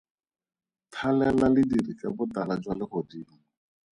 Thalela lediri ka botala jwa legodimo.